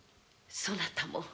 そなたも。